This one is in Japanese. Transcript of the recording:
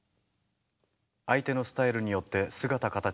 相手のスタイルによって姿形を変える。